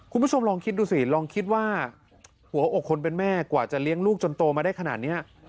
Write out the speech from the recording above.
คุณผู้ชมลองคิดดูสิลองคิดว่าหัวอกคนเป็นแม่กว่าจะเลี้ยงลูกจนโตมาได้ขนาดนี้